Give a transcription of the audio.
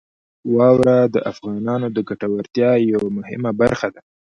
واوره د افغانانو د ګټورتیا یوه مهمه برخه ده.